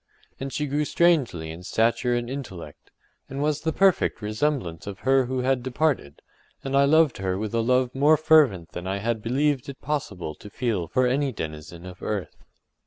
And she grew strangely in stature and intellect, and was the perfect resemblance of her who had departed, and I loved her with a love more fervent than I had believed it possible to feel for any denizen of earth.